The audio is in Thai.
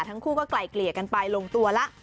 ทั้งคู่ก็ไกลเกลี่ยกันไปลงตัวแล้ว